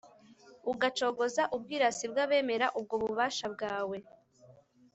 ugacogoza ubwirasi bw’abemera ubwo bubasha bwawe.